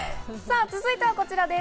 続いては、こちらです。